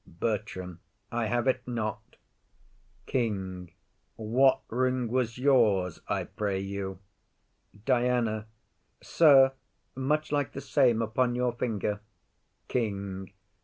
BERTRAM. I have it not. KING. What ring was yours, I pray you? DIANA. Sir, much like The same upon your finger. KING.